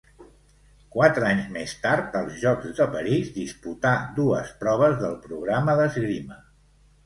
Quatre anys més tard, als Jocs de París, disputà dues proves del programa d'esgrima.